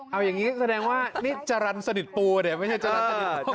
เอาอย่างนี้แสดงว่านี่จรรย์สนิทปูเนี่ยไม่ใช่จรรย์สนิท